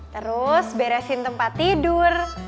terus beresin tempat tidur